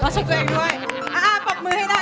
ต้องชมกันด้วย